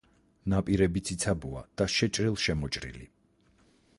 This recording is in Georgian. ნაპირები ციცაბოა და შეჭრილ-შემოჭრილი.